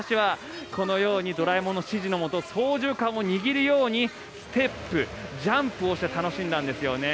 このようにドラえもんの指示のもと操縦かんを握るようにステップ、ジャンプをして楽しんだんですよね。